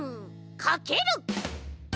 かける！